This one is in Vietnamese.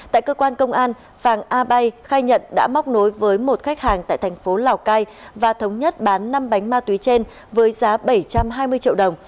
tại cơ quan công an phàng a bay khai nhận đã móc nối với một khách hàng tại thành phố lào cai và thống nhất bán năm bánh heroin